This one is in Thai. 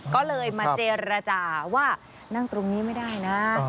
ก็เลยมาเจรจาว่านั่งตรงนี้ไม่ได้นะ